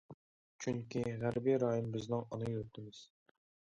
چۈنكى، غەربىي رايون بىزنىڭ ئانا يۇرتىمىز.